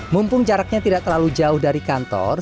mumpung jaraknya tidak terlalu jauh dari kantor